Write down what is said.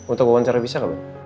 untuk wawancara bisa nggak pak